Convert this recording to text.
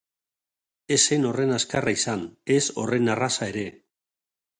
Ez zen horren azkarra izan, ez horren erraza ere.